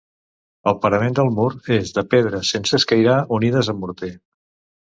El parament del mur és de pedres sense escairar unides amb morter.